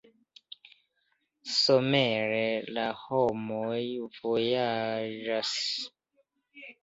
Somere la homoj vojaĝas.